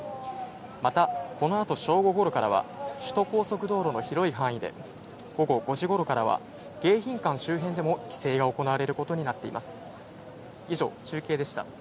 また、このあと正午頃からは首都高速道路の広い範囲で、午後５時頃からは迎賓館周辺でも規制が行われることになっています。